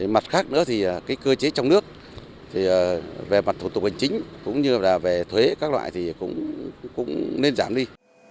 mặt khác nữa thì cơ chế trong nước về mặt thủ tục hành chính cũng như là về thuế các loại thì cũng nên giảm đi